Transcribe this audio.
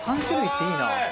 ３種類っていいな！